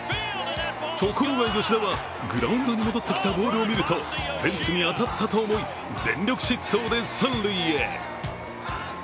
ところが吉田はグラウンドに戻ってきたボールを見るとフェンスに当たったと思い、全力疾走で三塁へ。